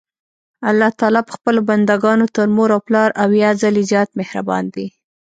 الله تعالی په خپلو بندګانو تر مور او پلار اويا ځلي زيات مهربان دي.